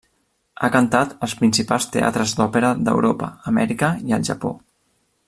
Ha cantat als principals teatres d'òpera d'Europa, Amèrica i el Japó.